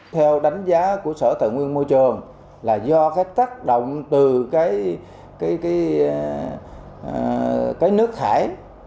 theo đánh giá của sở tài nguyên môi trường là do cái tác động từ cái nước thải